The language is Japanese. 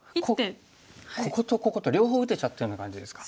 こことここと両方打てちゃったような感じですか。